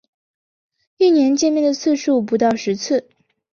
一年见面的次数不到十次